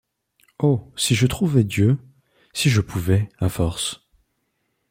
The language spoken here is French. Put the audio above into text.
Oh ! si je trouvais Dieu ! Si je pouvais, à force